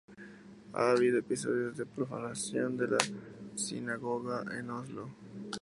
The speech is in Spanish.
Ha habido episodios de profanación de la sinagoga en Oslo.